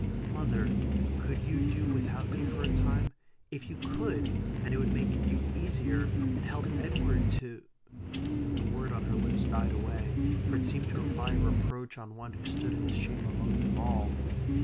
"Mother! could you do without me for a time? If you could, and it would make you easier, and help Edward to" The word on her lips died away; for it seemed to imply a reproach on one who stood in his shame among them all.